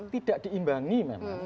tidak diimbangi memang